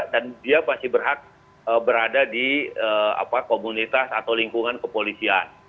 dia pasti berhak berada di komunitas atau lingkungan kepolisian